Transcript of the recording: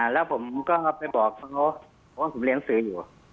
แล้วผมก็ไปบอกเขาเพราะว่าผมเรียนหนังสืออยู่